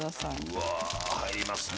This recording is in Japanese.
うわあ入りますね。